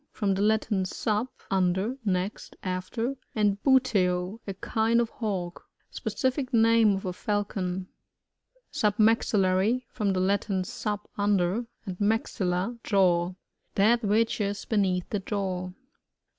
— From the Latin, stf6, un der, next, after, and buteo, a kind of Hawk. Specific name of a Falcon. Submaxillary — From the Latin, su^, under, and maxtUa^ jaw. That which is beneath the jaw.